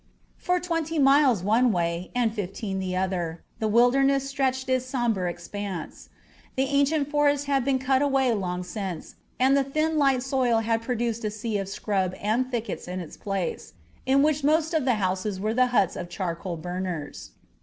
For twenty miles one way and fifteen the other the Wilderness stretched its somber expanse. The ancient forest had been cut away long since and the thin, light soil had produced a sea of scrub and thickets in its place, in which most of the houses were the huts of charcoal burners.